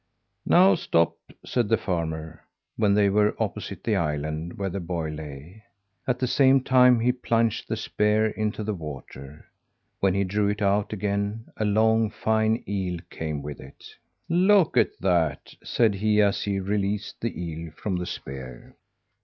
"Now, stop!" said the farmer, when they were opposite the island where the boy lay. At the same time he plunged the spear into the water. When he drew it out again, a long, fine eel came with it. "Look at that!" said he as he released the eel from the spear.